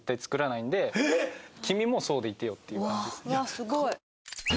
すごい。